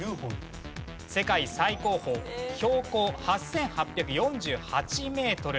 世界最高峰標高８８４８メートル。